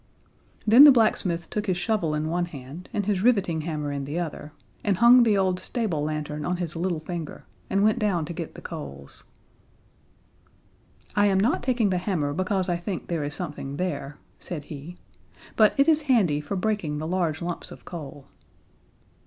Then the blacksmith took his shovel in one hand and his riveting hammer in the other, and hung the old stable lantern on his little finger, and went down to get the coals. "I am not taking the hammer because I think there is something there," said he, "but it is handy for breaking the large lumps of coal."